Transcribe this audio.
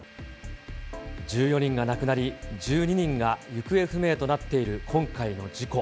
１４人が亡くなり、１２人が行方不明となっている今回の事故。